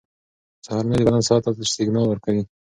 سهارنۍ د بدن ساعت ته سیګنال ورکوي.